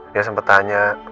dia sempat tanya